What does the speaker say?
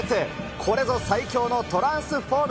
これぞ最強のトランスフォーム！